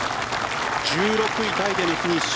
１６位タイでのフィニッシュ。